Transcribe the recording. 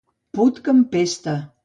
Put que empesta.